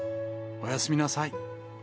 おやすみなさい。